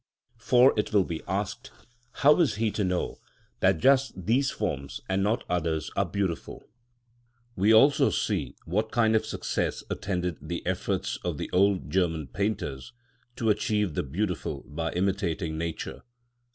For it will be asked, how is he to know that just these forms and not others are beautiful? We also see what kind of success attended the efforts of the old German painters to achieve the beautiful by imitating nature.